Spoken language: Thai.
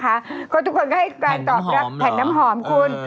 เพราะทุกคนก็ให้การตอบรับแผ่นน้ำหอมคุณ